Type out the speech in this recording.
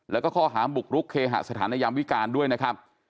แล้วก็ข้อหาบุกรุกเคหสถานยามวิการด้วยนะครับ